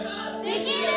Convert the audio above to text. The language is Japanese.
できる！